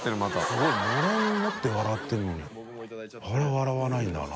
すごいのれん持って笑ってるのに△笑わないんだな。